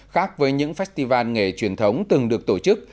khác với những festival nghề truyền thống từng được tổ chức